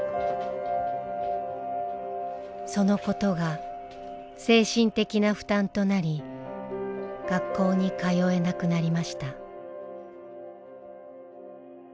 そのことが精神的な負担となり学校に通えなくなりました。